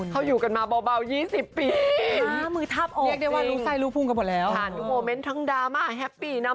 เขาอยู่กันมาเบา๒๐ปี